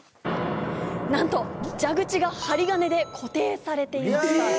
なんと蛇口が針金で固定されていた。